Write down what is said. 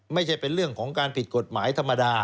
ไม่ใช่เป็นเรื่องของการผิดกฎหมายธรรมดา